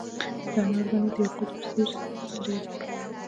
د انارو دانې د یاقوتو په څیر سرې دي.